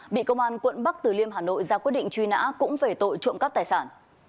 bị công an quận bắc từ liêm hà nội ra quyết định truy nã cũng về tội trộm cắp tài sản